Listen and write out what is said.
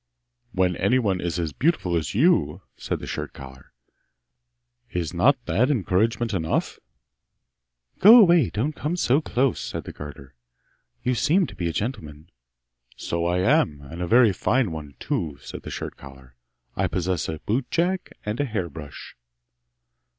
'When anyone is as beautiful as you,' said the shirt collar, 'is not that encouragement enough?' 'Go away, don't come so close!' said the garter. 'You seem to be a gentleman!' 'So I am, and a very fine one too!' said the shirt collar; 'I possess a boot jack and a hair brush!